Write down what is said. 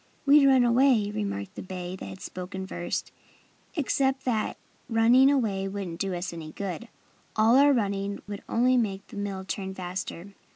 "We'd run away," remarked the bay that had spoken first, "except that running away wouldn't do us any good. All our running would only make the mill turn faster."